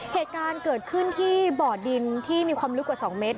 เหตุการณ์เกิดขึ้นที่บ่อดินที่มีความลึกกว่า๒เมตร